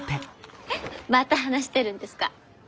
また話してるんですか？